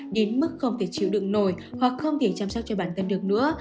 đến mức không thể chịu đựng nổi hoặc không thể chăm sóc cho bản thân được nữa